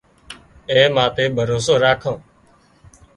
اين ماٿي ڀروسو راکان